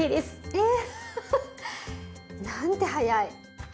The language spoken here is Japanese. えっ？なんて早い。